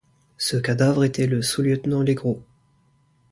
Ce cadavre était le sous-lieutenant Legros.